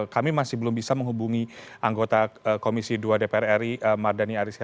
kami masih belum bisa menghubungi anggota komisi dua dpr ri mardhani arissa